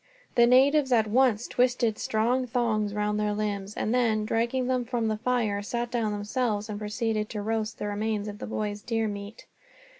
The natives at once twisted strong thongs round their limbs; and then, dragging them from the fire, sat down themselves and proceeded to roast the remains of the boys' deer meat.